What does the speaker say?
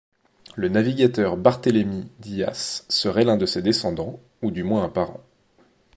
Le navigateur Barthelemiy Dias serait l’un de ses descendants, ou du moins un parent.